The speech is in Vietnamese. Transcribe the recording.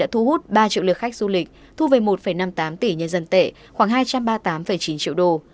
thu hút ba triệu lượt khách du lịch thu về một năm mươi tám tỷ nhân dân tệ khoảng hai trăm ba mươi tám chín triệu đồng